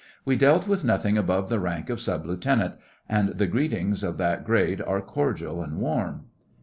We dealt with nothing above the rank of Sub Lieutenant, and the greetings of that grade are cordial and warm.